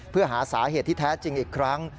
เพื่อหาสาเหตุที่แท้จริงอีกครั้ง